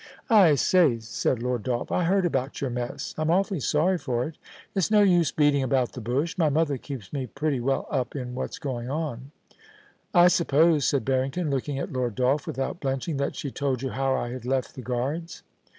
I say,' said Lord Dolph, * I heard about your mess. I'm awfully sorry for it It's no use beating about the bush. My mother keeps me pretty well up in what is going on.' *I suppose,' said Barrington, looking at Lord Dolph without blenching, *that she told you how I had left the Guards.'